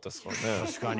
確かに。